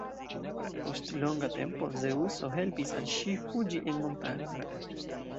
Post longa tempo Zeŭso helpis al ŝi fuĝi en montaron.